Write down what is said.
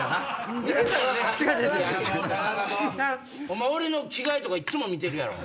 お前俺の着替えとかいっつも見てるやろ？